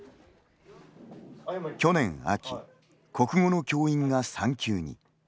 去年秋、国語の教員が産休に。